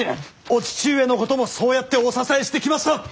お父上のこともそうやってお支えしてきました。